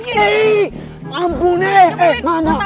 eh ampun eh